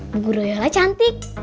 bu guru yola cantik